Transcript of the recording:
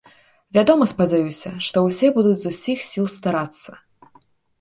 Вядома, спадзяюся, што ўсе будуць з усіх сіл старацца.